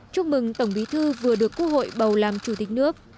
chúc mừng tổng bí thư vừa được quốc hội bầu làm chủ tịch nước